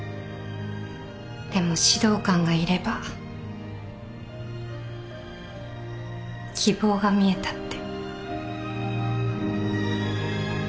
でも指導官がいれば希望が見えたって。